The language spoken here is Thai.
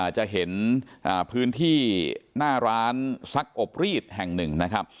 จะเห็นพื้นที่หน้าร้านซักอบรีดแห่งหนึ่งนะครับ